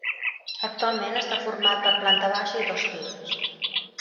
Actualment està format per planta baixa i dos pisos.